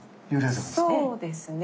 そうですね。